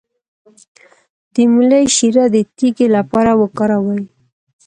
د مولی شیره د تیږې لپاره وکاروئ